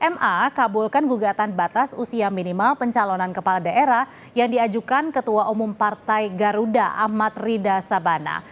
ma kabulkan gugatan batas usia minimal pencalonan kepala daerah yang diajukan ketua umum partai garuda ahmad rida sabana